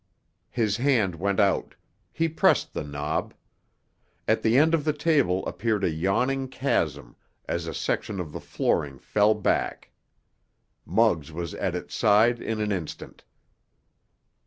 His hand went out; he pressed the knob. At the end of the table appeared a yawning chasm, as a section of the flooring fell back. Muggs was at its side in an instant.